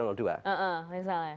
ini salah ya